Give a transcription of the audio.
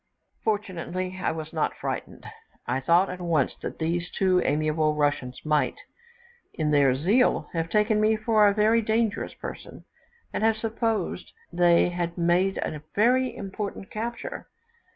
Fortunately I was not frightened; I thought at once that these two amiable Russians might, in their zeal, have taken me for a very dangerous person, and have supposed they had made a very important capture.